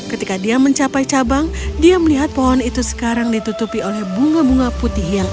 ketika dia mencapai cabang dia melihat pohon itu sekarang ditutupi oleh bunga bunga putih yang